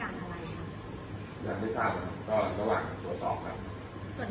อย่างไม่เศร้าครับก็ระหว่างตรวจสอบครับ